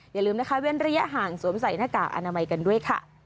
อย่าลืมนะคะเว้นระยะห่างสวมใส่หน้ากากอนามัยกันด้วยค่ะ